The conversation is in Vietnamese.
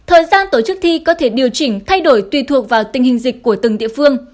thời gian tổ chức thi có thể điều chỉnh thay đổi tùy thuộc vào tình hình dịch của từng địa phương